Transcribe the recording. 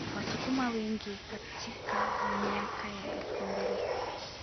Wasukuma wengi katika miaka ya elfu mbili